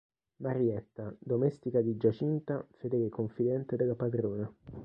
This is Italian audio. Marietta: domestica di Giacinta, fedele confidente della padrona.